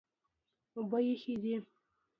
اوبه یخې دي.